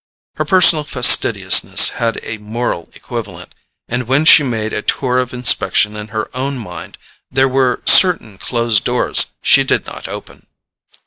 Her personal fastidiousness had a moral equivalent, and when she made a tour of inspection in her own mind there were certain closed doors she did not open.